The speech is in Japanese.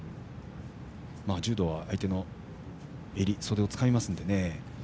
柔道は相手の襟、袖をつかみますので。